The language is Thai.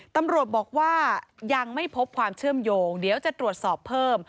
ตำรวจบอกว่ายังไม่พบความเชื่อมโยงเดี๋ยวจะตรวจสอบเพิ่ม